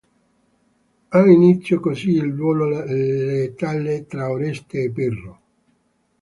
Ha inizio così il duello letale tra Oreste e Pirro.